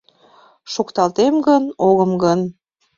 Шокталтем гын, огым гын?